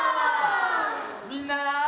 みんな。